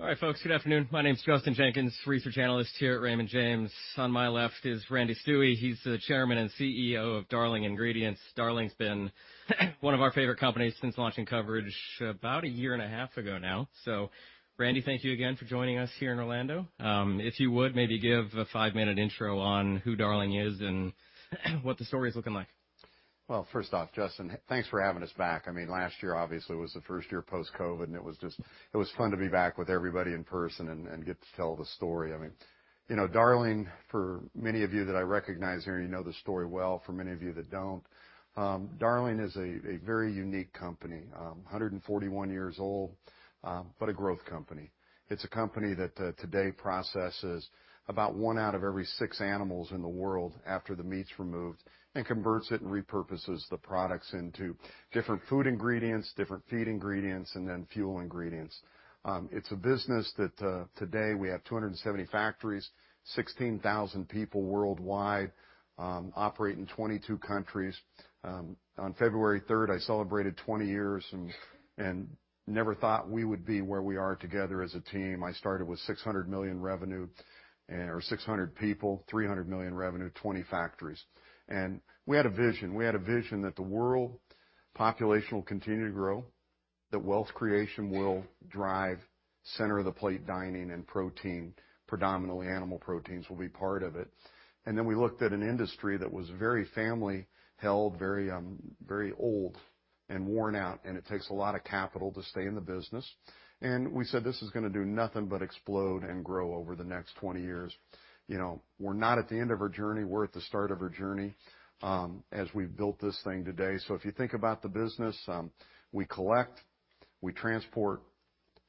All right, folks. Good afternoon. My name's Justin Jenkins, Research Analyst here at Raymond James. On my left is Randall Stuewe. He's the Chairman and CEO of Darling Ingredients. Darling's been one of our favorite companies since launching coverage about a year and a half ago now. So, Randy, thank you again for joining us here in Orlando. If you would, maybe give a five-minute intro on who Darling is and what the story's looking like. First off, Justin, thanks for having us back. I mean, last year, obviously, was the first year post-COVID, and it was just fun to be back with everybody in person and get to tell the story. I mean, you know, Darling, for many of you that I recognize here, you know the story well. For many of you that don't, Darling is a very unique company. 141 years old, but a growth company. It's a company that today processes about one out of every six animals in the world after the meat's removed and converts it and repurposes the products into different food ingredients, different feed ingredients, and then fuel ingredients. It's a business that today we have 270 factories, 16,000 people worldwide, operate in 22 countries. On February third, I celebrated 20 years and never thought we would be where we are together as a team. I started with $600 million revenue and or 600 people, $300 million revenue, 20 factories. And we had a vision. We had a vision that the world population will continue to grow, that wealth creation will drive center of the plate dining and protein, predominantly animal proteins, will be part of it. And then we looked at an industry that was very family-held, very, very old and worn out, and it takes a lot of capital to stay in the business. And we said this is gonna do nothing but explode and grow over the next 20 years. You know, we're not at the end of our journey. We're at the start of our journey, as we've built this thing today. So if you think about the business, we collect, we transport,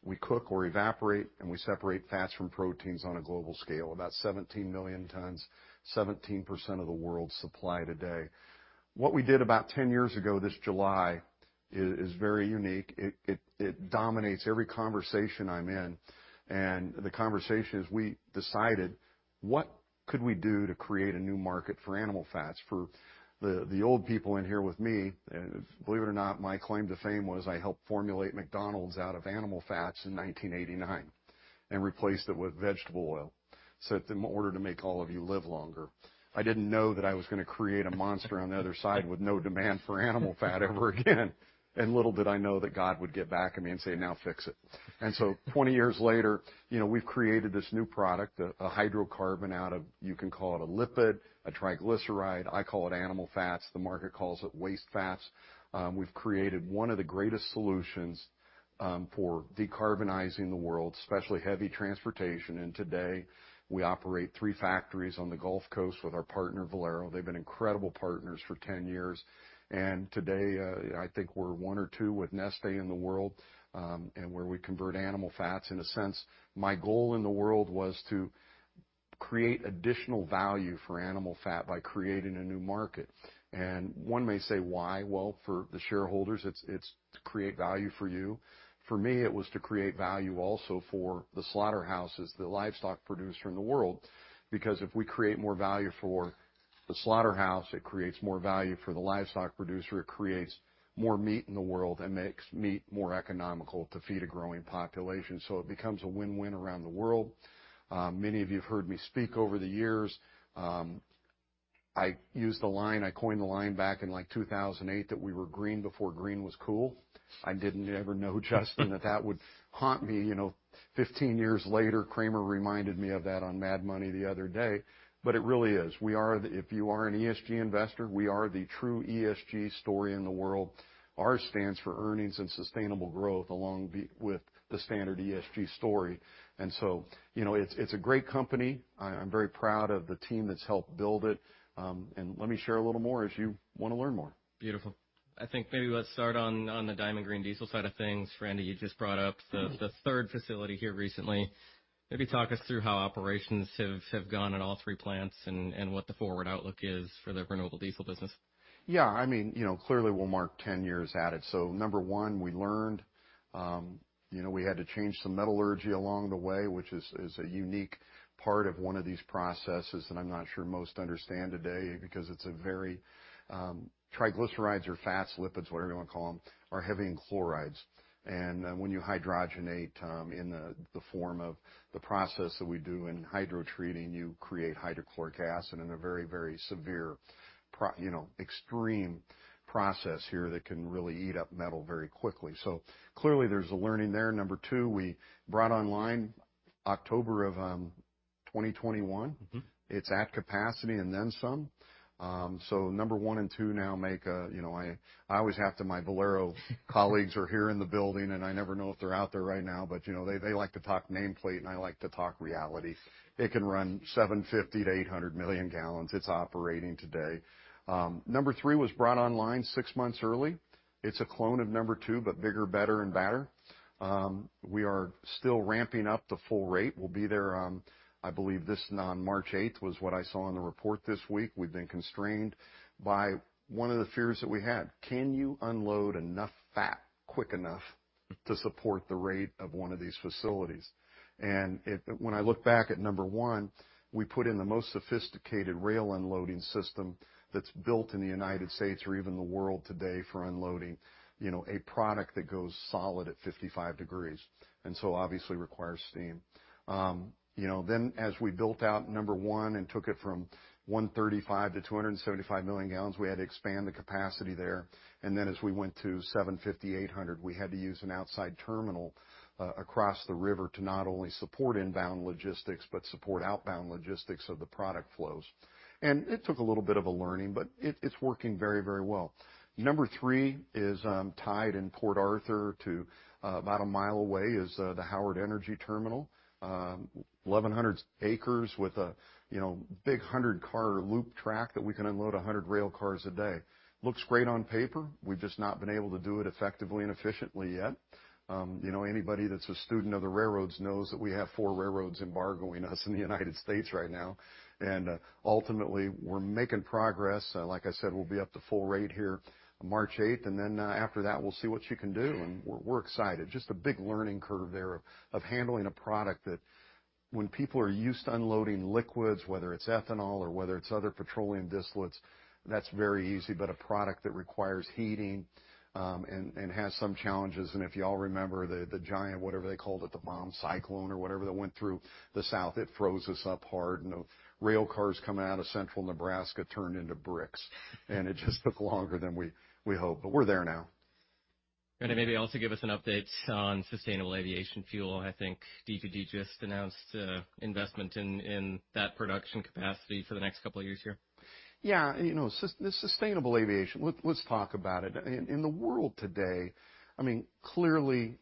we cook or evaporate, and we separate fats from proteins on a global scale, about 17 million tons, 17% of the world's supply today. What we did about 10 years ago this July is very unique. It dominates every conversation I'm in. And the conversation is we decided what could we do to create a new market for animal fats for the, the old people in here with me. And believe it or not, my claim to fame was I helped formulate McDonald's out of animal fats in 1989 and replaced it with vegetable oil. So in order to make all of you live longer, I didn't know that I was gonna create a monster on the other side with no demand for animal fat ever again. Little did I know that God would get back at me and say, "Now fix it." So 20 years later, you know, we've created this new product, a hydrocarbon out of, you can call it a lipid, a triglyceride. I call it animal fats. The market calls it waste fats. We've created one of the greatest solutions for decarbonizing the world, especially heavy transportation. Today we operate three factories on the Gulf Coast with our partner Valero. They've been incredible partners for 10 years. Today, I think we're one or two with Neste in the world, and where we convert animal fats in a sense. My goal in the world was to create additional value for animal fat by creating a new market. One may say, "Why?" Well, for the shareholders, it's to create value for you. For me, it was to create value also for the slaughterhouses, the livestock producer in the world, because if we create more value for the slaughterhouse, it creates more value for the livestock producer. It creates more meat in the world and makes meat more economical to feed a growing population. So it becomes a win-win around the world. Many of you have heard me speak over the years. I used the line, I coined the line back in like 2008 that we were green before green was cool. I didn't ever know, Justin, that that would haunt me. You know, 15 years later, Cramer reminded me of that on Mad Money the other day. But it really is. We are the, if you are an ESG investor, we are the true ESG story in the world. Ours stands for earnings and sustainable growth along with the standard ESG story. And so, you know, it's a great company. I'm very proud of the team that's helped build it. And let me share a little more as you wanna learn more. Beautiful. I think maybe let's start on the Diamond Green Diesel side of things. Randy, you just brought up the third facility here recently. Maybe talk us through how operations have gone in all three plants and what the forward outlook is for the renewable diesel business. Yeah. I mean, you know, clearly we'll mark 10 years at it. So number one, we learned, you know, we had to change some metallurgy along the way, which is a unique part of one of these processes that I'm not sure most understand today because it's a very, triglycerides or fats, lipids, whatever you wanna call them, are heavy in chlorides. And when you hydrogenate, in the form of the process that we do in hydrotreating, you create hydrochloric acid in a very, very severe, you know, extreme process here that can really eat up metal very quickly. So clearly there's a learning there. Number two, we brought online October of 2021. Mm-hmm. It's at capacity and then some. Number one and two now make a, you know, I always have to, my Valero colleagues are here in the building, and I never know if they're out there right now, but, you know, they like to talk nameplate, and I like to talk reality. It can run 750-800 million gallons. It's operating today. Number three was brought online six months early. It's a clone of number two, but bigger, better, and faster. We are still ramping up the full rate. We'll be there. I believe this on March 8th was what I saw in the report this week. We've been constrained by one of the fears that we had. Can you unload enough fat quick enough to support the rate of one of these facilities? And it, when I look back at number one, we put in the most sophisticated rail unloading system that's built in the United States or even the world today for unloading, you know, a product that goes solid at 55 degrees. And so obviously requires steam, you know. Then as we built out number one and took it from 135 to 275 million gallons, we had to expand the capacity there. And then as we went to 750-800, we had to use an outside terminal across the river to not only support inbound logistics but support outbound logistics of the product flows. And it took a little bit of a learning, but it, it's working very, very well. Number three is tied in Port Arthur to about a mile away is the Howard Energy terminal, 1,100 acres with a, you know, big 100-car loop track that we can unload 100 rail cars a day. Looks great on paper. We've just not been able to do it effectively and efficiently yet. You know, anybody that's a student of the railroads knows that we have four railroads embargoing us in the United States right now. And ultimately we're making progress. Like I said, we'll be up to full rate here March eight. And then after that, we'll see what you can do. And we're excited. Just a big learning curve there of handling a product that when people are used to unloading liquids, whether it's ethanol or whether it's other petroleum distillates, that's very easy. But a product that requires heating and has some challenges. And if y'all remember the giant, whatever they called it, the bomb cyclone or whatever that went through the South, it froze us up hard. And the rail cars coming out of central Nebraska turned into bricks. And it just took longer than we hoped. But we're there now. Randy, maybe also give us an update on sustainable aviation fuel. I think DGD just announced investment in that production capacity for the next couple of years here. Yeah. You know, sustainable aviation, let's talk about it. In the world today, I mean, clearly,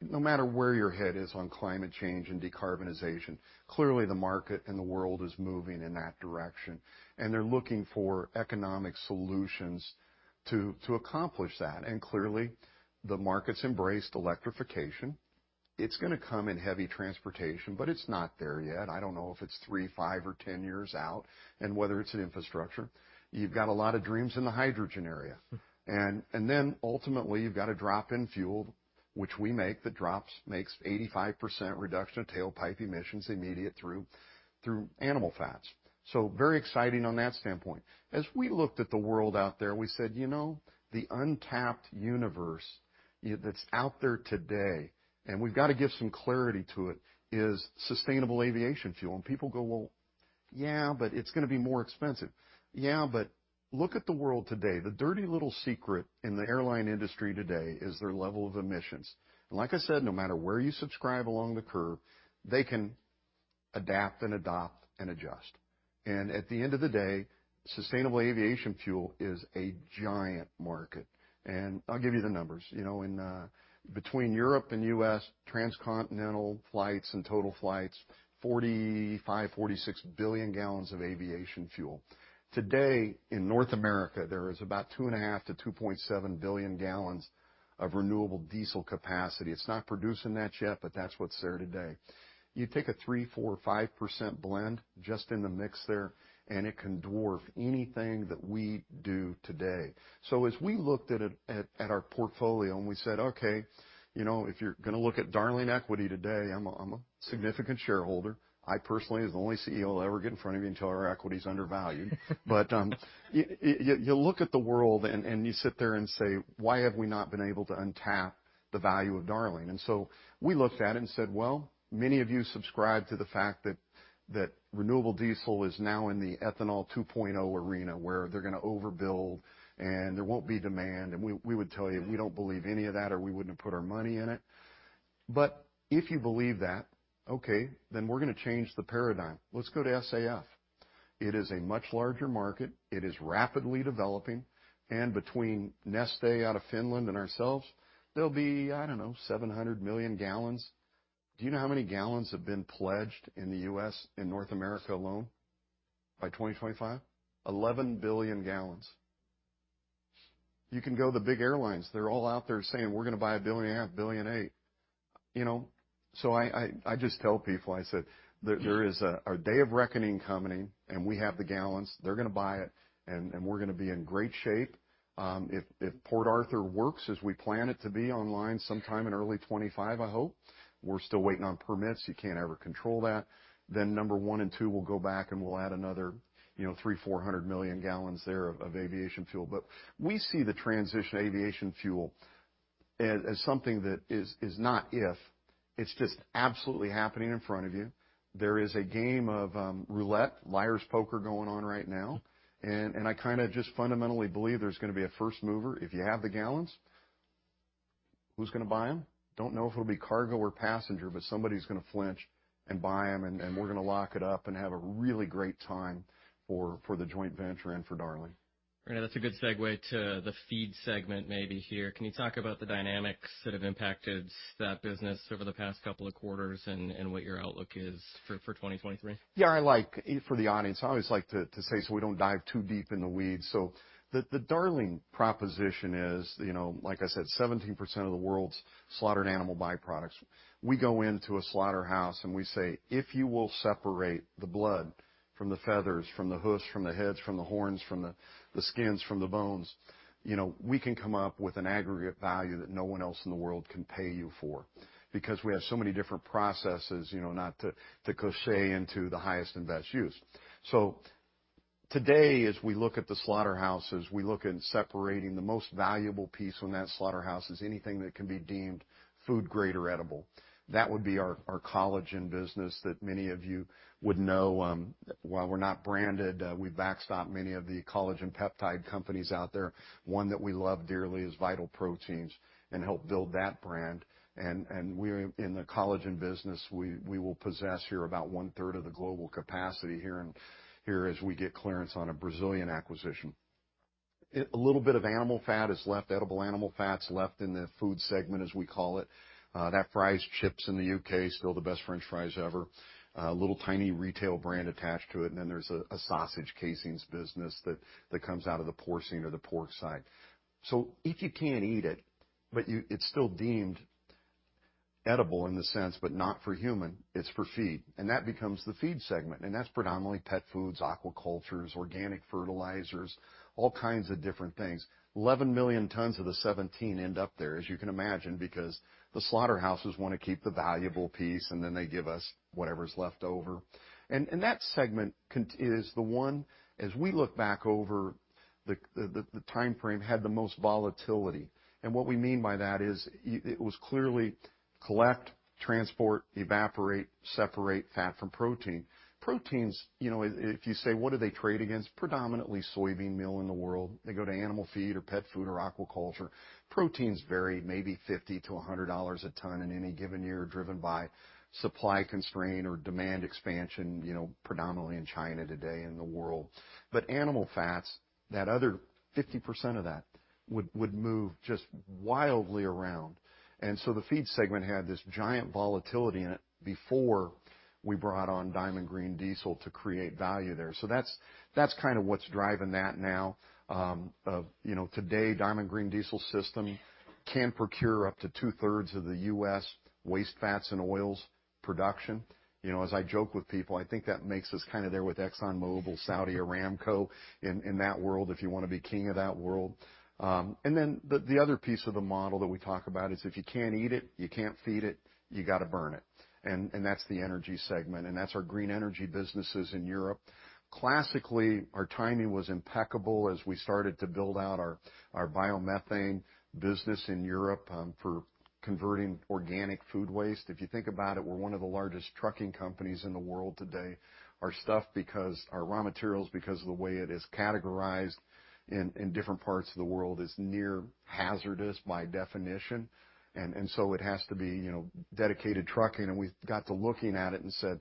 no matter where your head is on climate change and decarbonization, clearly the market and the world is moving in that direction. And they're looking for economic solutions to accomplish that. And clearly the market's embraced electrification. It's gonna come in heavy transportation, but it's not there yet. I don't know if it's three, five, or 10 years out and whether it's an infrastructure. You've got a lot of dreams in the hydrogen area. And then ultimately you've got a drop in fuel, which we make that drops makes 85% reduction of tailpipe emissions immediate through animal fats. So very exciting on that standpoint. As we looked at the world out there, we said, you know, the untapped universe that's out there today, and we've gotta give some clarity to it, is sustainable aviation fuel. And people go, "Well, yeah, but it's gonna be more expensive." Yeah, but look at the world today. The dirty little secret in the airline industry today is their level of emissions. And like I said, no matter where you subscribe along the curve, they can adapt and adopt and adjust. And at the end of the day, sustainable aviation fuel is a giant market. And I'll give you the numbers. You know, in between Europe and U.S., transcontinental flights and total flights, 45-46 billion gallons of aviation fuel. Today in North America, there is about 2.5-2.7 billion gallons of renewable diesel capacity. It's not producing that yet, but that's what's there today. You take a 3%-5% blend just in the mix there, and it can dwarf anything that we do today. So as we looked at it, at our portfolio and we said, "Okay, you know, if you're gonna look at Darling Equity today, I'm a significant shareholder. I personally as the only CEO you'll ever get in front of you and tell you our equity's undervalued. But you look at the world and you sit there and say, "Why have we not been able to unlock the value of Darling?" And so we looked at it and said, "Well, many of you subscribe to the fact that renewable diesel is now in the ethanol 2.0 arena where they're gonna overbuild and there won't be demand." And we would tell you we don't believe any of that or we wouldn't have put our money in it. But if you believe that, okay, then we're gonna change the paradigm. Let's go to SAF. It is a much larger market. It is rapidly developing. And between Neste out of Finland and ourselves, there'll be, I don't know, 700 million gallons. Do you know how many gallons have been pledged in the U.S., in North America alone by 2025? 11 billion gallons. You can go to the big airlines. They're all out there saying, "We're gonna buy a billion and a half, billion and eight." You know, so I just tell people, I said, "There is a day of reckoning coming, and we have the gallons. They're gonna buy it, and we're gonna be in great shape." If Port Arthur works as we plan it to be online sometime in early 2025, I hope, we're still waiting on permits. You can't ever control that. Then number one and two will go back and we'll add another, you know, 300-400 million gallons there of aviation fuel. But we see the transition aviation fuel as something that is not if. It's just absolutely happening in front of you. There is a game of roulette, liar's poker going on right now. And I kinda just fundamentally believe there's gonna be a first mover. If you have the gallons, who's gonna buy them? Don't know if it'll be cargo or passenger, but somebody's gonna flinch and buy them. And we're gonna lock it up and have a really great time for the joint venture and for Darling. Randy, that's a good segue to the feed segment maybe here. Can you talk about the dynamics that have impacted that business over the past couple of quarters and what your outlook is for 2023? Yeah. I like for the audience, I always like to say so we don't dive too deep in the weeds, so the Darling proposition is, you know, like I said, 17% of the world's slaughtered animal byproducts. We go into a slaughterhouse and we say, "If you will separate the blood from the feathers, from the hooves, from the heads, from the horns, from the skins, from the bones, you know, we can come up with an aggregate value that no one else in the world can pay you for because we have so many different processes, you know, not to get into the highest and best use," so today, as we look at the slaughterhouses, we look at separating the most valuable piece in that slaughterhouse: anything that can be deemed food grade or edible. That would be our collagen business that many of you would know. While we're not branded, we backstop many of the collagen peptide companies out there. One that we love dearly is Vital Proteins and help build that brand. We're in the collagen business. We will possess here about one third of the global capacity here and here as we get clearance on a Brazilian acquisition. A little bit of animal fat is left, edible animal fat's left in the food segment, as we call it. That fries chips in the U.K., still the best french fries ever. Little tiny retail brand attached to it. Then there's a sausage casings business that comes out of the porcine or the pork side. So if you can't eat it, but it's still deemed edible in the sense, but not for human. It's for feed. That becomes the feed segment. That's predominantly pet foods, aquacultures, organic fertilizers, all kinds of different things. 11 million tons of the 17 end up there, as you can imagine, because the slaughterhouses wanna keep the valuable piece, and then they give us whatever's left over. That segment is the one, as we look back over the timeframe, had the most volatility. What we mean by that is it was clearly collect, transport, evaporate, separate fat from protein. Proteins, you know, if you say, what do they trade against? Predominantly soybean meal in the world. They go to animal feed or pet food or aquaculture. Proteins vary maybe $50-$100 a ton in any given year, driven by supply constraint or demand expansion, you know, predominantly in China today and the world. But animal fats, that other 50% of that would move just wildly around. And so the feed segment had this giant volatility in it before we brought on Diamond Green Diesel to create value there. So that's kind of what's driving that now. You know, today Diamond Green Diesel system can procure up to two thirds of the U.S. waste fats and oils production. You know, as I joke with people, I think that makes us kinda there with Exxon Mobil, Saudi Aramco in that world if you wanna be king of that world. And then the other piece of the model that we talk about is if you can't eat it, you can't feed it, you gotta burn it. And that's the energy segment. And that's our green energy businesses in Europe. Classically, our timing was impeccable as we started to build out our biomethane business in Europe for converting organic food waste. If you think about it, we're one of the largest trucking companies in the world today. Our stuff, because our raw materials, because of the way it is categorized in different parts of the world, is near hazardous by definition, and so it has to be, you know, dedicated trucking, and we got to looking at it and said,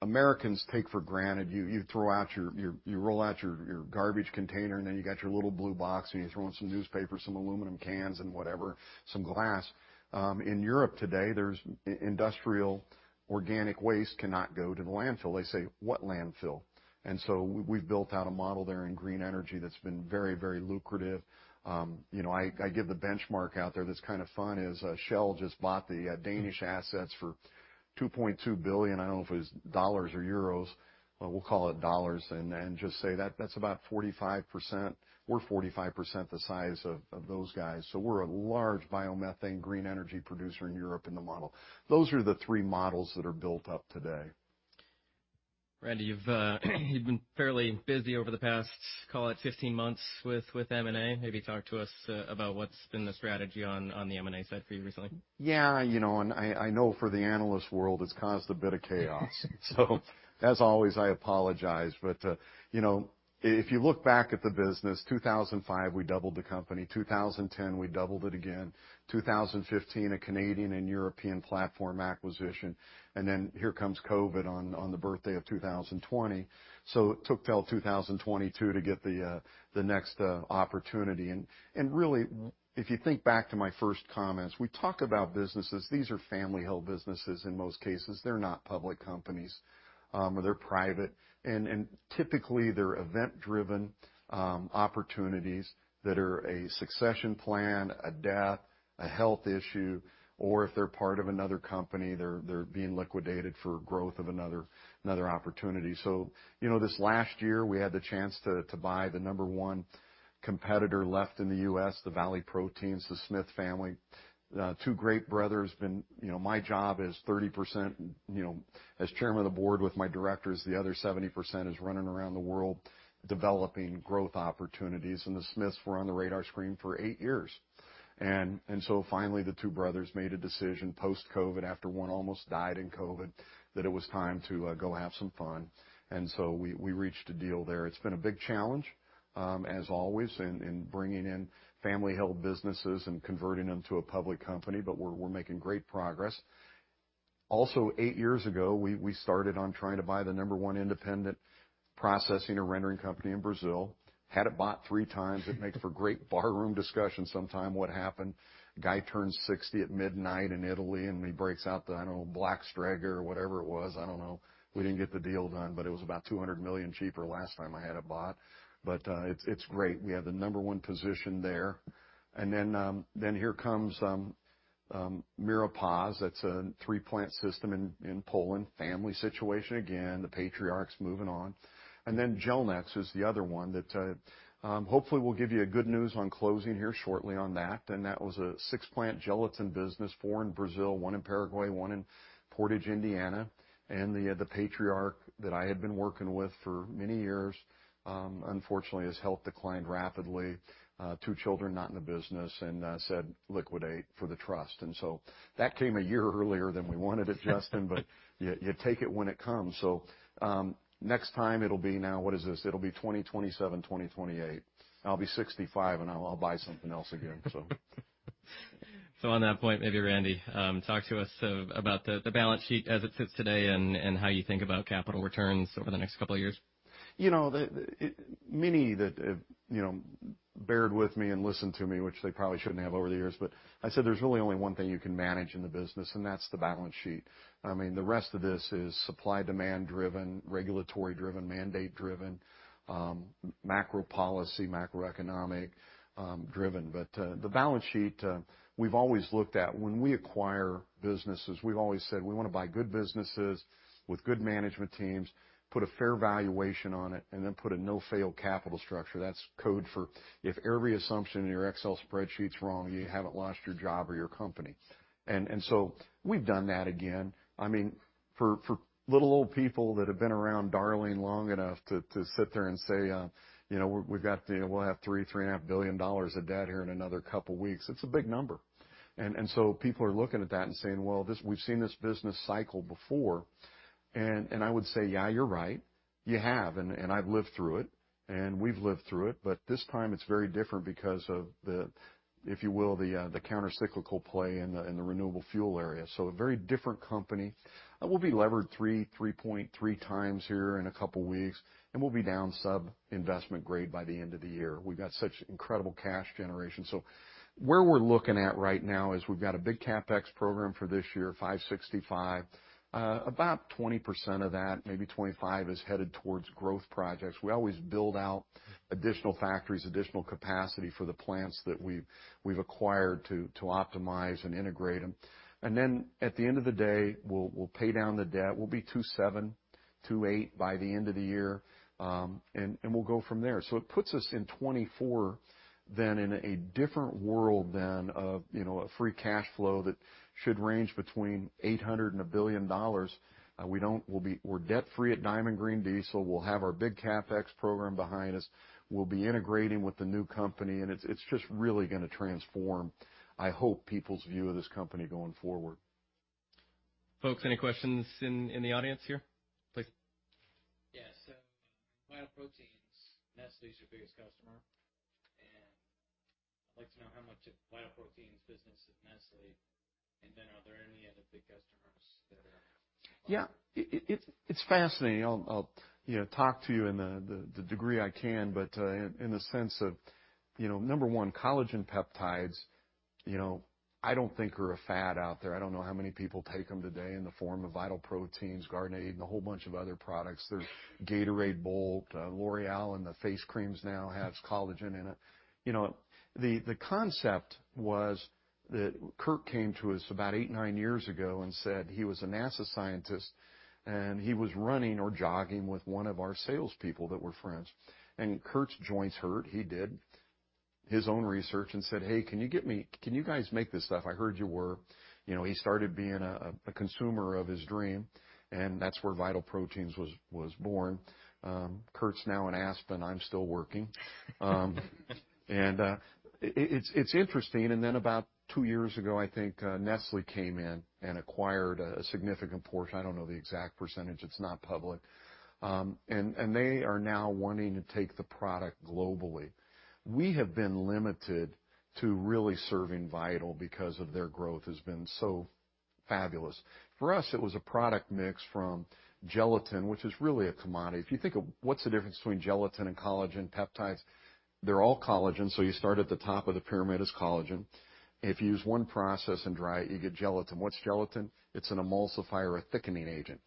Americans take for granted you roll out your garbage container, and then you got your little blue box and you throw in some newspapers, some aluminum cans and whatever, some glass. In Europe today, there's industrial organic waste cannot go to the landfill. They say, "What landfill?" And so we, we've built out a model there in green energy that's been very, very lucrative. You know, I, I give the benchmark out there that's kind of fun is, Shell just bought the Danish assets for $2.2 billion. I don't know if it was dollars or euros. We'll call it dollars and, and just say that that's about 45%. We're 45% the size of, of those guys. So we're a large biomethane green energy producer in Europe in the model. Those are the three models that are built up today. Randy, you've been fairly busy over the past, call it 15 months with M&A. Maybe talk to us about what's been the strategy on the M&A side for you recently. Yeah. You know, and I know for the analyst world, it's caused a bit of chaos. So as always, I apologize. But you know, if you look back at the business, 2005, we doubled the company. 2010, we doubled it again. 2015, a Canadian and European platform acquisition. Then here comes COVID on the birthday of 2020. So it took till 2022 to get the next opportunity. Really, if you think back to my first comments, we talk about businesses. These are family-held businesses in most cases. They're not public companies, or they're private. Typically they're event-driven opportunities that are a succession plan, a death, a health issue, or if they're part of another company, they're being liquidated for growth of another opportunity. So, you know, this last year we had the chance to buy the number one competitor left in the U.S., the Valley Proteins, the Smith family. Two great brothers been, you know, my job is 30%, you know, as Chairman of the Board with my Directors. The other 70% is running around the world developing growth opportunities. And the Smiths were on the radar screen for eight years. And so finally the two brothers made a decision post-COVID after one almost died in COVID that it was time to go have some fun. And so we reached a deal there. It's been a big challenge, as always in bringing in family-held businesses and converting them to a public company. But we're making great progress. Also, eight years ago, we started on trying to buy the number one independent processing or rendering company in Brazil. Had it bought three times. It makes for great barroom discussion sometime what happened. Guy turns 60 at midnight in Italy and he breaks out the, I don't know, Strega or whatever it was. I don't know. We didn't get the deal done, but it was about $200 million cheaper last time I had it bought. But it's great. We have the number one position there. And then here comes Miropasz. That's a three-plant system in Poland. Family situation again. The patriarchs moving on. And then Gelnex is the other one that hopefully we'll give you good news on closing here shortly on that. And that was a six-plant gelatin business, four in Brazil, one in Paraguay, one in Portage, Indiana. And the patriarch that I had been working with for many years, unfortunately his health declined rapidly. Two children not in the business and said liquidate for the trust, and so that came a year earlier than we wanted it, Justin, but you take it when it comes, so next time it'll be now. What is this? It'll be 2027, 2028. I'll be 65 and I'll buy something else again, so. So on that point, maybe Randy, talk to us about the balance sheet as it sits today and how you think about capital returns over the next couple of years. You know, the many that have borne with me and listened to me, which they probably shouldn't have over the years. But I said there's really only one thing you can manage in the business, and that's the balance sheet. I mean, the rest of this is supply-demand-driven, regulatory-driven, mandate-driven, macro-policy, macro-economic, driven. But the balance sheet, we've always looked at when we acquire businesses. We've always said we wanna buy good businesses with good management teams, put a fair valuation on it, and then put a no-fail capital structure. That's code for if every assumption in your Excel spreadsheet's wrong, you haven't lost your job or your company. And so we've done that again. I mean, for little people that have been around Darling long enough to sit there and say, you know, we've got, you know, we'll have $3.5 billion of debt here in another couple of weeks. It's a big number. And so people are looking at that and saying, well, this we've seen this business cycle before. And I would say, yeah, you're right. You have. And I've lived through it. And we've lived through it. But this time it's very different because of the, if you will, the countercyclical play in the renewable fuel area. So a very different company. We'll be levered 3.3x here in a couple of weeks. And we'll be down sub-investment grade by the end of the year. We've got such incredible cash generation. So where we're looking at right now is we've got a big CapEx program for this year, $565 million. About 20%-25% of that is headed towards growth projects. We always build out additional factories, additional capacity for the plants that we've acquired to optimize and integrate them. And then at the end of the day, we'll pay down the debt. We'll be 2.7-2.8 by the end of the year. And we'll go from there. It puts us in 2024 then in a different world than of, you know, a free cash flow that should range between $800 million and $1 billion. We'll be debt-free at Diamond Green Diesel. We'll have our big CapEx program behind us. We'll be integrating with the new company. And it's just really gonna transform, I hope, people's view of this company going forward. Folks, any questions in the audience here? Please. Yeah. So Vital Proteins, Nestlé's your biggest customer. And I'd like to know how much of Vital Proteins business is Nestlé. And then are there any other big customers that are? Yeah. It's fascinating. I'll, you know, talk to you in the degree I can. But, in the sense of, you know, number one, collagen peptides, you know, I don't think are a fad out there. I don't know how many people take them today in the form of Vital Proteins, Garnier, and a whole bunch of other products. There's Gatorade, Bolt, L'Oréal. And the face creams now have collagen in it. You know, the concept was that Kurt came to us about eight, nine years ago and said he was a NASA scientist. And he was running or jogging with one of our salespeople that were friends. And Kurt's joints hurt. He did his own research and said, "Hey, can you get me? Can you guys make this stuff? I heard you were." You know, he started being a consumer of his dream. And that's where Vital Proteins was born. Kurt's now in Aspen. I'm still working. It's interesting. Then about two years ago, I think, Nestlé came in and acquired a significant portion. I don't know the exact percentage. It's not public, and they are now wanting to take the product globally. We have been limited to really serving Vital because of their growth has been so fabulous. For us, it was a product mix from gelatin, which is really a commodity. If you think of what's the difference between gelatin and collagen peptides, they're all collagen. So you start at the top of the pyramid as collagen. If you use one process and dry it, you get gelatin. What's gelatin? It's an emulsifier or a thickening agent.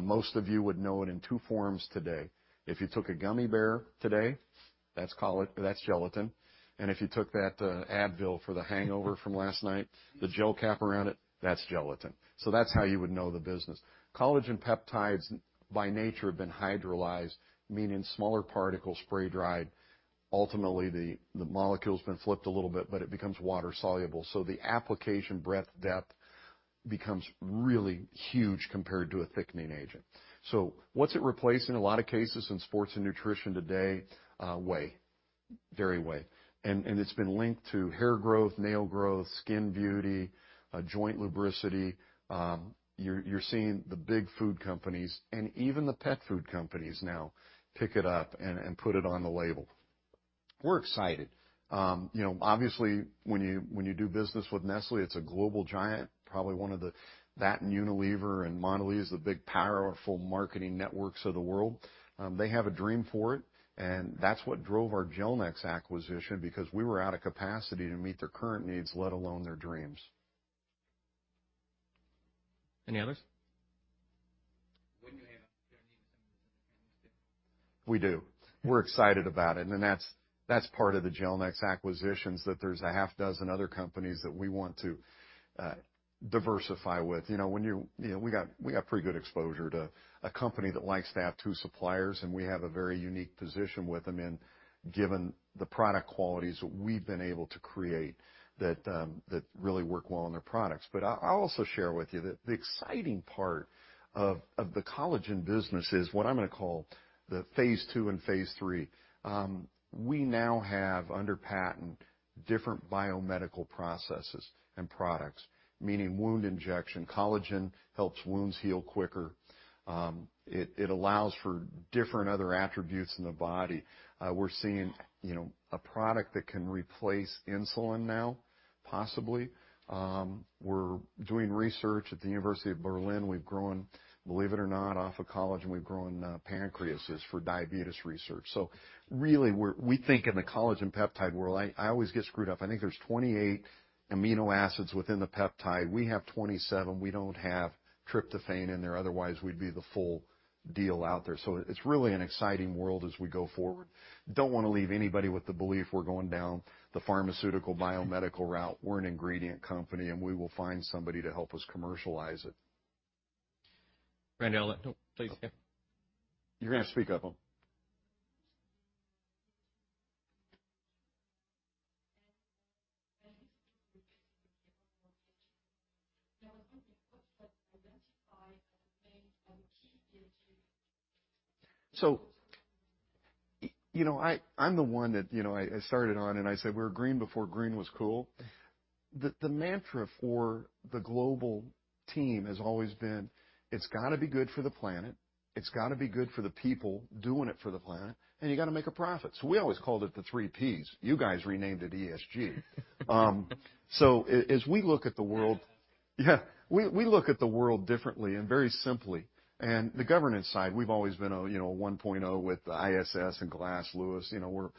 Most of you would know it in two forms today. If you took a gummy bear today, that's collagen. That's gelatin. And if you took that, Advil for the hangover from last night, the gel cap around it, that's gelatin. So that's how you would know the business. Collagen peptides by nature have been hydrolyzed, meaning smaller particles, spray-dried. Ultimately, the molecule's been flipped a little bit, but it becomes water-soluble. So the application breadth, depth becomes really huge compared to a thickening agent. So what's it replacing? In a lot of cases in sports and nutrition today, whey. Dairy whey. And it's been linked to hair growth, nail growth, skin beauty, joint lubricity. You're seeing the big food companies and even the pet food companies now pick it up and put it on the label. We're excited. You know, obviously when you do business with Nestlé, it's a global giant, probably one of the that and Unilever and Mondelēz, the big powerful marketing networks of the world. They have a dream for it and that's what drove our Gelnex acquisition because we were out of capacity to meet their current needs, let alone their dreams. Any others? When you have a need to send them to different things, too. We do. We're excited about it. And that's part of the Gelnex acquisitions that there's a half dozen other companies that we want to diversify with. You know, when you know, we got pretty good exposure to a company that likes to have two suppliers. And we have a very unique position with them given the product qualities that we've been able to create that really work well on their products. But I'll also share with you that the exciting part of the collagen business is what I'm gonna call the phase two and phase three. We now have under patent different biomedical processes and products, meaning wound injection. Collagen helps wounds heal quicker. It allows for different other attributes in the body. We're seeing, you know, a product that can replace insulin now, possibly. We're doing research at the University of Berlin. We've grown, believe it or not, off of collagen. We've grown pancreases for diabetes research. So really we think in the collagen peptide world, I always get screwed up. I think there's 28 amino acids within the peptide. We have 27. We don't have tryptophan in there. Otherwise, we'd be the full deal out there. So it's really an exciting world as we go forward. Don't wanna leave anybody with the belief we're going down the pharmaceutical biomedical route. We're an ingredient company, and we will find somebody to help us commercialize it. Randall, please. Yeah. You're gonna have to speak up. So, you know, I'm the one that, you know, I started on and I said we were green before green was cool. The mantra for the global team has always been, it's gotta be good for the planet. It's gotta be good for the people doing it for the planet. And you gotta make a profit. So we always called it the Three Ps. You guys renamed it ESG. So as we look at the world. Yeah. We look at the world differently and very simply. And the governance side, we've always been, you know, a 1.0 with the ISS and Glass Lewis. You know,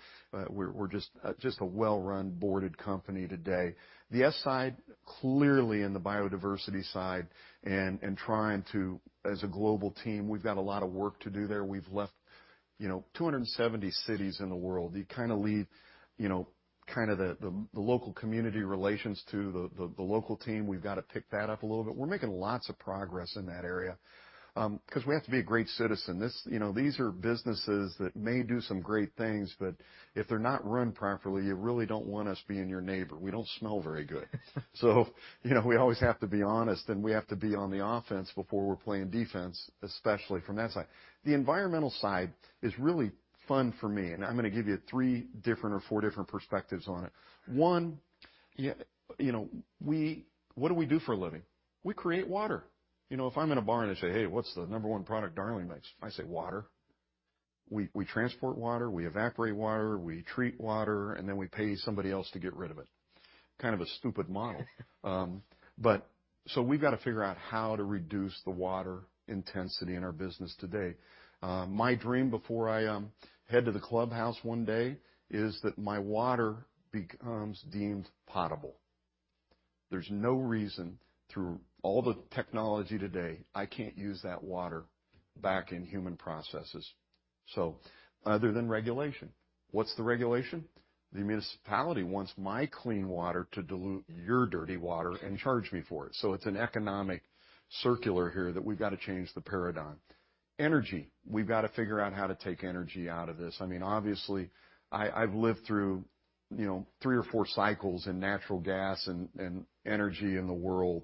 we're just a well-run board company today. The S side, clearly in the biodiversity side and trying to, as a global team, we've got a lot of work to do there. We've left, you know, 270 cities in the world. You kinda leave, you know, kinda the local community relations to the local team. We've gotta pick that up a little bit. We're making lots of progress in that area, 'cause we have to be a great citizen. This, you know, these are businesses that may do some great things. But if they're not run properly, you really don't want us being your neighbor. We don't smell very good. So, you know, we always have to be honest. And we have to be on the offense before we're playing defense, especially from that side. The environmental side is really fun for me. I'm gonna give you three different or four different perspectives on it. One, you know, we what do we do for a living? We create water. You know, if I'm in a bar and they say, "Hey, what's the number one product Darling makes?" I say, "Water." We, we transport water. We evaporate water. We treat water. And then we pay somebody else to get rid of it. Kind of a stupid model. But so we've gotta figure out how to reduce the water intensity in our business today. My dream before I, head to the clubhouse one day is that my water becomes deemed potable. There's no reason through all the technology today, I can't use that water back in human processes. Other than regulation, what's the regulation? The municipality wants my clean water to dilute your dirty water and charge me for it. It's an economic circle here that we've gotta change the paradigm. Energy, we've gotta figure out how to take energy out of this. I mean, obviously, I've lived through, you know, three or four cycles in natural gas and energy in the world.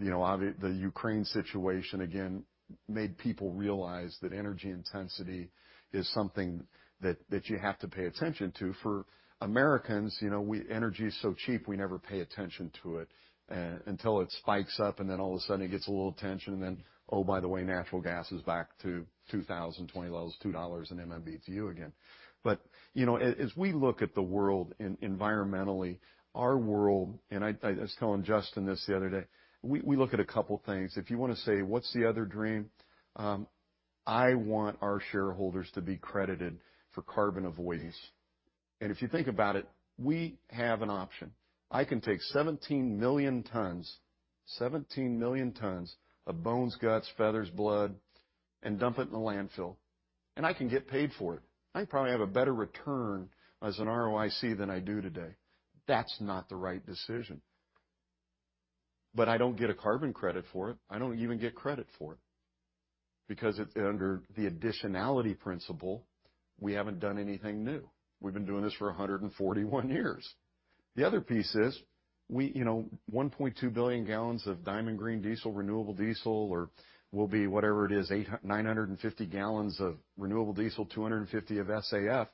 You know, obviously the Ukraine situation again made people realize that energy intensity is something that you have to pay attention to. For Americans, you know, we; energy's so cheap, we never pay attention to it, until it spikes up. And then all of a sudden it gets a little attention. And then, oh, by the way, natural gas is back to 2020 levels, $2 an MMBtu again. But, you know, as we look at the world environmentally, our world, and I was telling Justin this the other day, we look at a couple of things. If you wanna say, "What's the other dream?" I want our shareholders to be credited for carbon avoidance. And if you think about it, we have an option. I can take 17 million tons, 17 million tons of bones, guts, feathers, blood, and dump it in the landfill. And I can get paid for it. I probably have a better return as an ROIC than I do today. That's not the right decision. But I don't get a carbon credit for it. I don't even get credit for it because it's under the additionality principle. We haven't done anything new. We've been doing this for 141 years. The other piece is we, you know, 1.2 billion gallons of Diamond Green Diesel, renewable diesel, or will be whatever it is, 800-950 gallons of renewable diesel, 250 of SAF.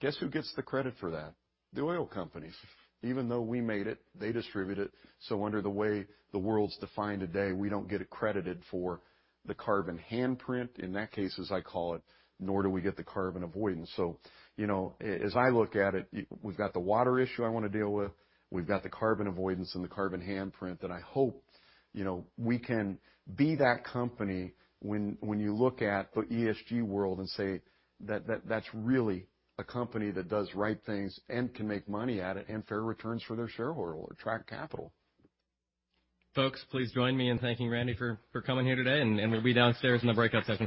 Guess who gets the credit for that? The oil companies. Even though we made it, they distribute it. So under the way the world's defined today, we don't get accredited for the carbon handprint. In that case, as I call it, nor do we get the carbon avoidance. So, you know, as I look at it, we've got the water issue I wanna deal with. We've got the carbon avoidance and the carbon handprint. And I hope, you know, we can be that company when you look at the ESG world and say that that's really a company that does right things and can make money at it and fair returns for their shareholder or attract capital. Folks, please join me in thanking Randy for coming here today, and we'll be downstairs in the breakout session.